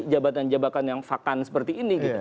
jabatan jabatan yang vakant seperti ini